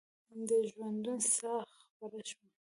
د ژوندون ساه خپره شوه